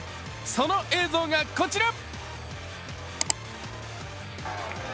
その映像がこちら。